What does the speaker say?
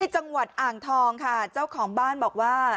จังหวัดอ่างทองค่ะเจ้าของบ้านบอกว่า